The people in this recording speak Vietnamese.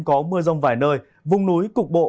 có mưa rông vài nơi vùng núi cục bộ